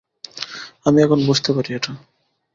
আমি এখন বুঝতে পারি এটা।